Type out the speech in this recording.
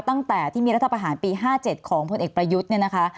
ตั้งแต่ที่มีรัฐประหารปี๕๗ของพลเอกประยุทธ์เนี่ยนะคะ